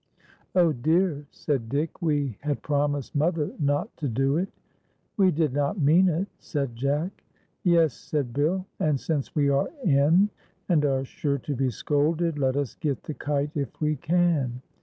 " Oh, dear !" said Dick, " we had promised mother not to do it." " We did not mean it," said Jack. "Yes," said Bill; "and since we are in, and are sure to be scolded, let us get the kite if we can."